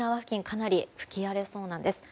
かなり吹き荒れそうなんです。